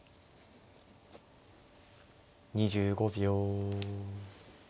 ２５秒。